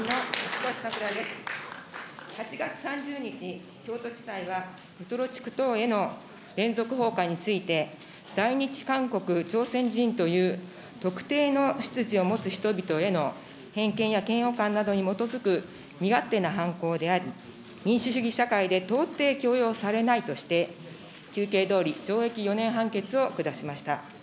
８月３０日、京都地裁はウトロ地区等への連続放火について、在日韓国朝鮮人という特定の出自を持つ人々への偏見や嫌悪感などに基づく身勝手な犯行であり、民主主義社会で到底許容されないとして、求刑どおり懲役４年判決を下しました。